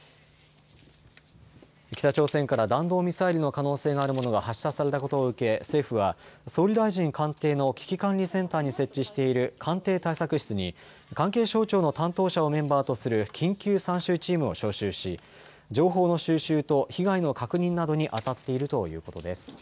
北朝鮮から弾道ミサイルの可能性があるものが発射されたことを受け、政府は総理大臣官邸の危機管理センターに設置している官邸対策室に関係省庁の担当者をメンバーとする緊急参集チームを招集し情報の収集と被害の確認などにあたっているということです。